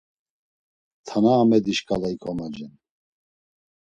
TanaAmedi şǩala ikomocen.